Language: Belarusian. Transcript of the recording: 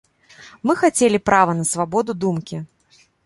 Мы хацелі права на свабоду думкі.